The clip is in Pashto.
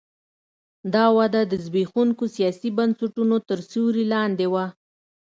دا وده د زبېښونکو سیاسي بنسټونو تر سیوري لاندې وه.